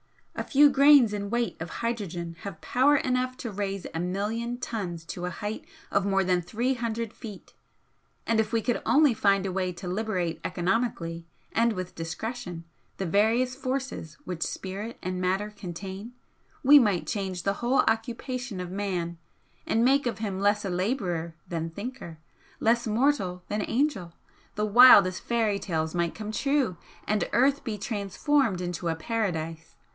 A few grains in weight of hydrogen have power enough to raise a million tons to a height of more than three hundred feet, and if we could only find a way to liberate economically and with discretion the various forces which Spirit and Matter contain, we might change the whole occupation of man and make of him less a labourer than thinker, less mortal than angel! The wildest fairy tales might come true, and earth be transformed into a paradise!